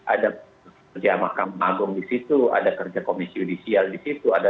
ada kerja mahkamah agung di situ ada kerja komisi yudisial di situ